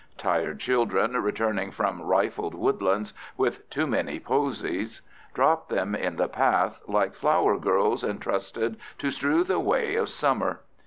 Tired children, returning from rifled woodlands with too many posies, drop them in the path, like flower girls intrusted to strew the way of summer.